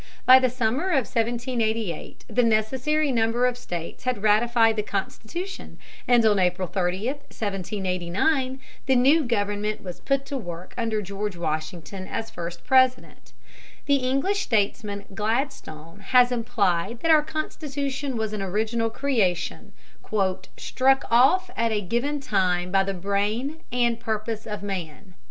By the summer of 1788 the necessary number of states had ratified the Constitution, and on April 30, 1789, the new government was put to work under George Washington as first President. The English statesman Gladstone has implied that our Constitution was an original creation, "struck off at a given time by the brain and purpose of man."